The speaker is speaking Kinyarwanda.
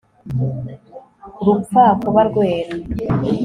rupfa kuba rwera